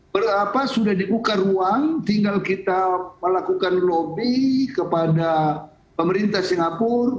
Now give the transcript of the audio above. berapa sudah dibuka ruang tinggal kita melakukan lobby kepada pemerintah singapura